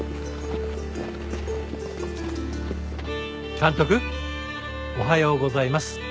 監督おはようございます。